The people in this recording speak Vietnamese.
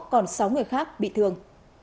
còn sáu người khác bị thương